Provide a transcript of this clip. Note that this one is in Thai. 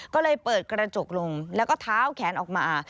ก็เลยเปิดกระจกลงแล้วก็เท้าแขนออกมา